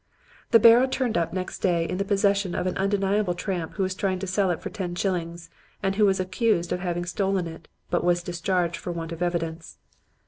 "The barrow turned up next day in the possession of an undeniable tramp who was trying to sell it for ten shillings and who was accused of having stolen it but was discharged for want of evidence.